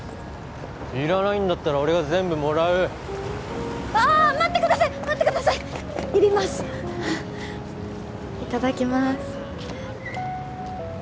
いらないんだったら俺が全部もらうあ待ってください待ってくださいいりますいただきます